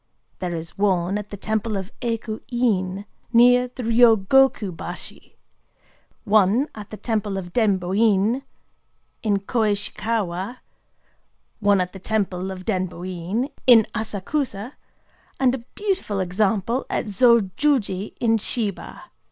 There is one at the temple of Ekō In, near Ryōgoku bashi; one at the temple of Denbō In, in Koishikawa; one at the temple of Denbō In, in Asakusa; and a beautiful example at Zōjōji in Shiba.